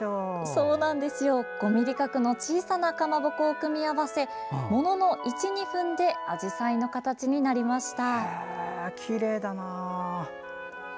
５ｍｍ角の小さなかまぼこを組み合わせものの１２分であじさいの形になりました。